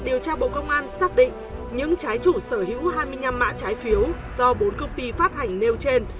điều tra bộ công an xác định những trái chủ sở hữu hai mươi năm mã trái phiếu do bốn công ty phát hành nêu trên